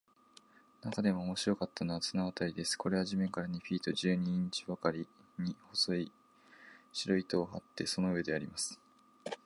なかでも面白かったのは、綱渡りです。これは地面から二フィート十二インチばかりに、細い白糸を張って、その上でやります。